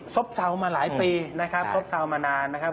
บเซามาหลายปีนะครับซบเซามานานนะครับ